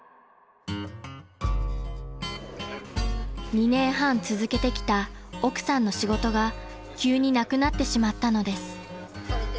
［２年半続けてきた奥さんの仕事が急になくなってしまったのです］